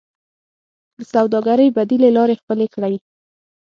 د سوداګرۍ بدیلې لارې خپلې کړئ